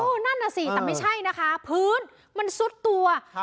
นั่นน่ะสิแต่ไม่ใช่นะคะพื้นมันซุดตัวครับ